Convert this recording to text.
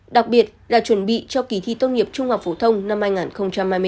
đặc biệt là chuẩn bị cho kỳ thi tốt nghiệp trung học phổ thông năm hai nghìn hai mươi bốn